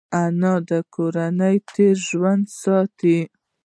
انا د کورنۍ تېر ژوند ساتي